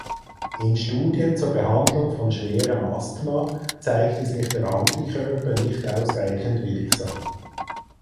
In Studien zur Behandlung von schwerem Asthma zeigte sich der Antikörper nicht ausreichend wirksam.